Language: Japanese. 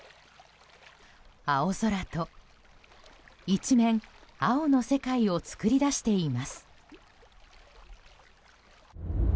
青空と一面、青の世界を作り出しています。